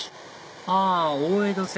あ大江戸線